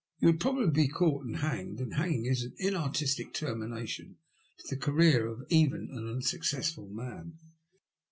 You would probably be caught and hanged, and hanging is an inartistic termination to the career of even an unsuccessful man.